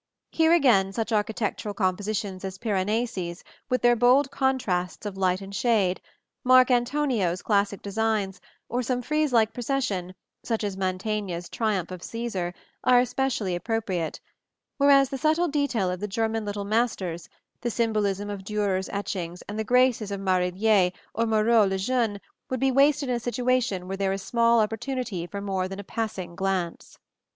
Here again such architectural compositions as Piranesi's, with their bold contrasts of light and shade, Marc Antonio's classic designs, or some frieze like procession, such as Mantegna's "Triumph of Julius Caesar," are especially appropriate; whereas the subtle detail of the German Little Masters, the symbolism of Dürer's etchings and the graces of Marillier or Moreau le Jeune would be wasted in a situation where there is small opportunity for more than a passing glance.